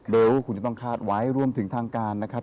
โดยว่าคุณจะต้องคาดไว้รวมถึงทางการนะครับ